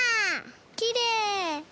きれい！